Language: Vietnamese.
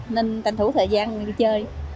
nên tành thủ thời gian đi chơi